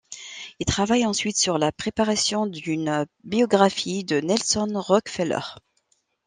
Il travaille ensuite sur la préparation d'une biographie de Nelson Rockefeller.